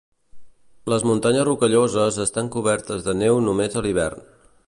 Les muntanyes Rocalloses estan cobertes de neu només a l'hivern.